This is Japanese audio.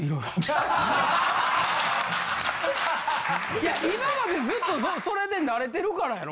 いや今までずっとそれで慣れてるからやろ。